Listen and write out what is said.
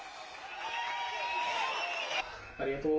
ありがとう。